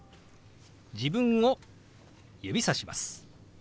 自分を指さします。